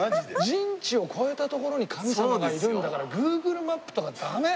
人知を超えたところに神様がいるんだからＧｏｏｇｌｅマップとかダメ！